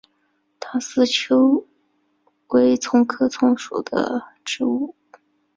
坛丝韭为葱科葱属的植物。